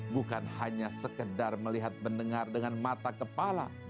bukan hanya sekedar melihat mendengar dengan mata kepala